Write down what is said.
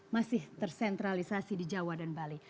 masih tersentralisasi di jawa dan bali